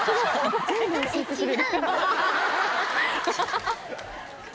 ハハハ！